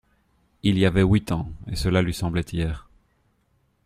Il y avait huit ans ; et cela lui semblait hier.